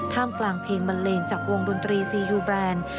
กลางเพลงบันเลงจากวงดนตรีซียูแบรนด์